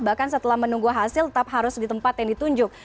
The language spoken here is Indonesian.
bahkan setelah menunggu hasil tetap harus di tempat yang ditunjuk